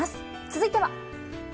続いては。